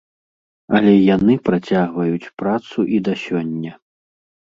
Але яны працягваюць працу і да сёння.